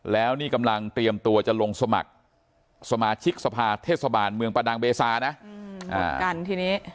แล้วนี่กำลังเตรียมตัวจะลงสมัครสมาชิกสภาเทศบาลเมืองประดังเบซานะเหมือนกันทีนี้